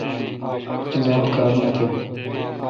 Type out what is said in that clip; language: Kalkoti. اوزات کار نہ تھ۔